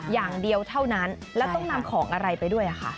อย่างเดียวเท่านั้นแล้วต้องนำของอะไรไปด้วยค่ะ